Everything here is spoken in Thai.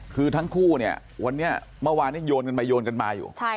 คือทั้งคู่เนี่ยวันนี้เมื่อวานนี้โยนกันไปโยนกันมาอยู่